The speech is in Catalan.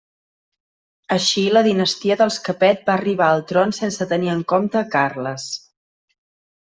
Així la dinastia dels Capet va arribar al tron sense tenir en compte a Carles.